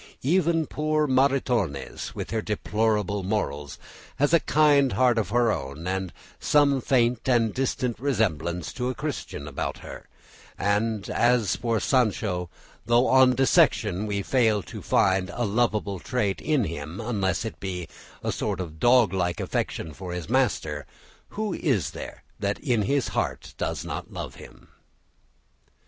Even poor Maritornes, with her deplorable morals, has a kind heart of her own and "some faint and distant resemblance to a Christian about her;" and as for Sancho, though on dissection we fail to find a lovable trait in him, unless it be a sort of dog like affection for his master, who is there that in his heart does not love him?